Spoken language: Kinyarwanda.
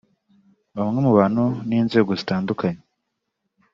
Bamwe mu bantu n’inzego zitandukanye